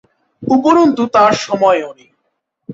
উপরন্তু তাঁর সময়ও নেই।